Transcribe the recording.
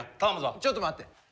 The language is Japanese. ちょっと待って。